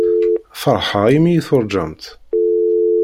Feṛḥeɣ imi iyi-tuṛǧamt.